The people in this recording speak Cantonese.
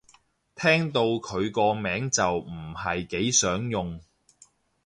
聽到佢個名就唔係幾想用